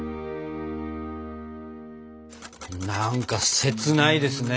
何か切ないですね。